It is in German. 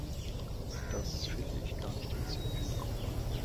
Das finde ich gar nicht witzig!